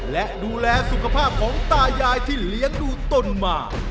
และดูแลสุขภาพของตายายที่เลี้ยงดูตนมา